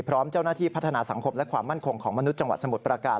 พร้อมเจ้าหน้าที่พัฒนาสังคมและความมั่นคงของมนุษย์จังหวัดสมุทรประการ